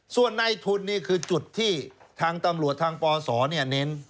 ส่วนในทุนนี่คือจุดที่ทางตำรวจทางปศเน้น